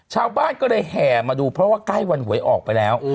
ชาวบ้านก็เลยแห่มาดูเพราะว่าใกล้วันหวยออกไปแล้ว